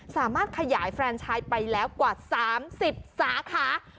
สามารถขยายแฟนชายไปแล้วกว่า๓๐สาขา